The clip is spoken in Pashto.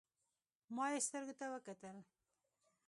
ما يې سترګو ته وکتل.